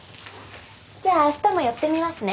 じゃああしたも寄ってみますね。